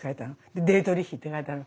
でディートリヒって書いたの。